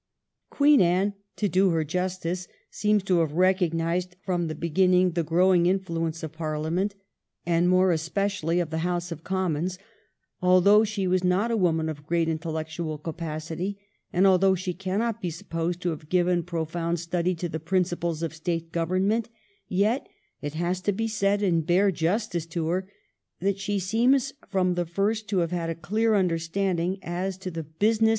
Queen Anne, to do her justice, seems to have recognised from the beginning the growing influence of Parliament, and more especially of the House of Commons. Although she was not a woman of great intellectual capacity, and although she cannot be supposed to have given profound study to the prin ciples of State government, yet it has to be said in bare justice to her that she seems from the first to have had a clear understanding as to the business 392 THE EETGN OF QUEEN ANNE. ch. xl.